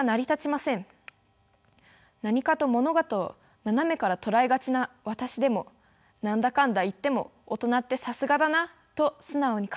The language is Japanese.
何かと物事を斜めから捉えがちな私でも何だかんだ言っても大人ってさすがだなと素直に感じます。